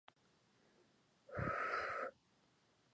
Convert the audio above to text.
Guffey Petroleum and Gulf Refining companies of Texas.